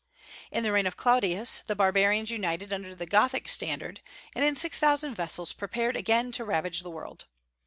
In the reign of Claudius the barbarians united under the Gothic standard, and in six thousand vessels prepared again to ravage the world.